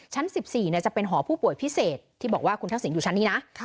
ชั้น๑๔จะเป็นหอผู้ป่วยพิเศษที่บอกว่าคุณทักษิณอยู่ชั้นนี้นะ